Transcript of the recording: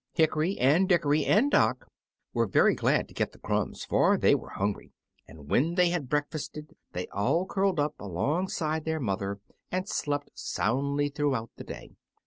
Hickory and Dickory and Dock were very glad to get the crumbs, for they were hungry; and when they had breakfasted they all curled up alongside their mother and slept soundly throughout the day.